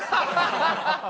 ハハハ！